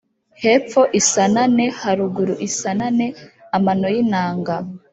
Hepfo isanane haruguru isanane-Amano y'inanga.